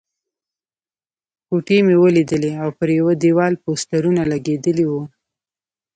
کوټې مې ولیدلې او پر یوه دېوال پوسټرونه لګېدلي وو.